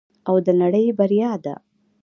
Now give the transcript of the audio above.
او د نړۍ بریا ده.